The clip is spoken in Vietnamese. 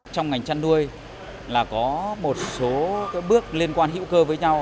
trong ngành chăn nuôi là có một số bước liên quan hữu cơ với nhau